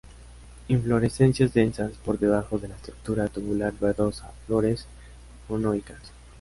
Inflorescencias densas, por debajo de la estructura tabular verdosa, flores monoicas.